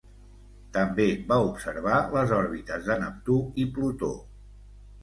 També va observar les òrbites de Neptú i Plutó.